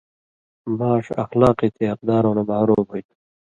ماݜ اخلاق یی تے اقدارؤں نہ محروم ہُوئ تُھو